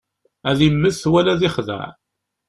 Ad immet, wala ad ixdeɛ.